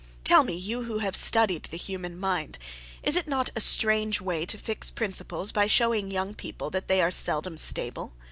Tell me, ye who have studied the human mind, is it not a strange way to fix principles by showing young people that they are seldom stable?